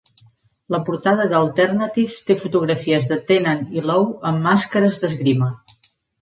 La portada d'"Alternative" té fotografies de Tennant i Lowe amb màscares d'esgrima.